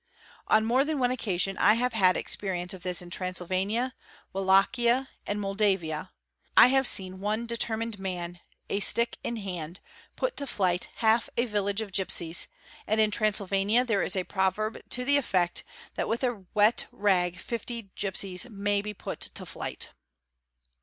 On more 2 1 : d 4 | 4} '° q i q g han one occasion I have had experience of this in Transylvania, Walachia, and Moldavia; I have seen one determined man, a stick in hand, put to 'flight half a village of gipsies, and in Transylvania there is a proverb to the effect that with a wet rag fifty gipsies may be put to flight."